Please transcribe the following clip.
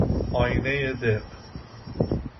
آینۀ دق